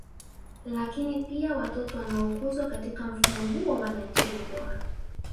Lakini pia watoto wanaokuzwa katika mfumo huo wanajengwa